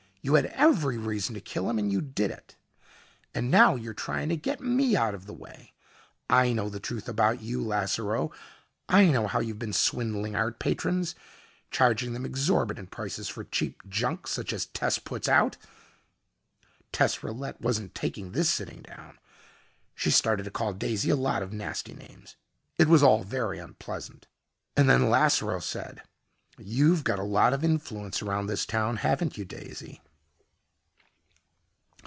You had every reason to kill him, and you did it. And now you're trying to get me out of the way. I know the truth about you, Lasseroe. I know how you've been swindling art patrons, charging them exorbitant prices for cheap junk such as Tess puts out " Tess Rillette wasn't taking this sitting down. She started to call Daisy a lot of nasty names. It was all very unpleasant. And then Lasseroe said, "You've got a lot of influence around this town, haven't you, Daisy?"